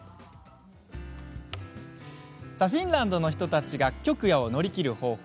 フィンランドの人たちが極夜を乗り切る方法。